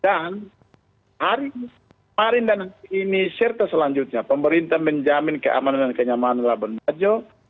dan hari ini serta selanjutnya pemerintah menjamin keamanan dan kenyamanan di labon bajo